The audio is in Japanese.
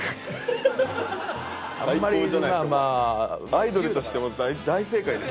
アイドルとしても大正解ですよ。